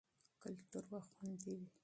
کلتور به خوندي وي.